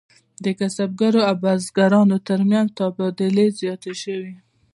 د کسبګرو او بزګرانو ترمنځ تبادلې زیاتې شوې.